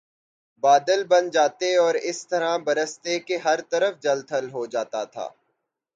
بادل بن جاتے اور اس طرح برستے کہ ہر طرف جل تھل ہو جاتا تھا